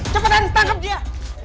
cepetan tangkap dia